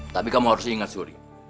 tapi kamu harus ingat suri